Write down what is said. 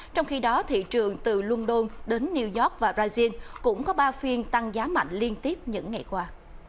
trong khi đó thị trường từ london đến new york và brazil cũng có ba phiên tăng giá mạnh liên tiếp những ngày qua